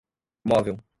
móvel